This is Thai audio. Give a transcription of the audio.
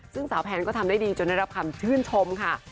ซึ่งสาวแพนก็ทำได้ดีจนได้รับคำชื่นชมค่ะ